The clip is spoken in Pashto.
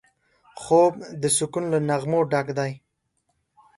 خوب د سکون له نغمو ډک دی